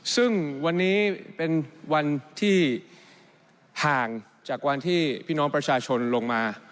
ซึ่งวันนี้เป็นวันที่ห่างจากวันที่พี่น้องประชาชนลงมา